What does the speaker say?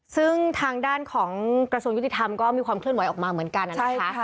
ซึ่งทางด้านของกระทรวงยุติธรรมก็มีความเคลื่อนไหวออกมาเหมือนกันนะคะ